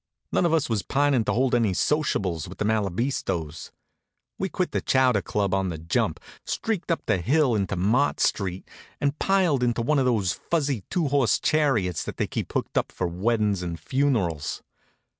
None of us was pining to hold any sociables with the Malabistos. We quit the chowder club on the jump, streaked up the hill into Mott street, and piled into one of those fuzzy two horse chariots that they keep hooked up for weddin's and funerals.